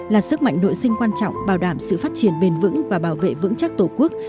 là sức mạnh nội sinh quan trọng bảo đảm sự phát triển bền vững và bảo vệ vững chắc tổ quốc